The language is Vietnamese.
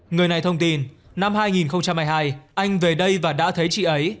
người này thông tin năm hai nghìn hai mươi hai anh về đây và đã thấy chị ấy